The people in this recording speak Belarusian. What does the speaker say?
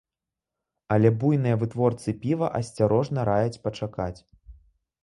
Але буйныя вытворцы піва асцярожна раяць пачакаць.